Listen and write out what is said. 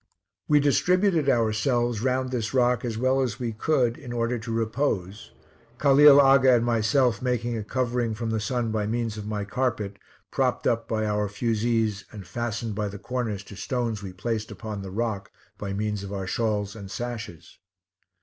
We distributed ourselves round this rock as well as we could, in order to repose; Khalil Aga and myself making a covering from the sun by means of my carpet, propped up by our fusees and fastened by the corners to stones we placed upon the rock, by means of our shawls and sashes.